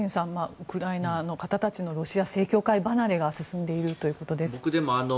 ウクライナの方たちのロシア正教会離れが進んでいるということですが。